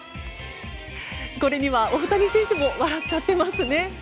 これには大谷選手も笑っちゃってますね。